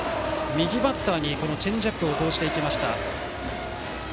右バッターにチェンジアップを投じていきました。